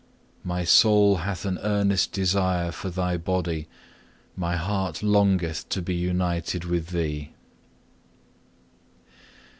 My soul hath an earnest desire for Thy Body, my heart longeth to be united with Thee.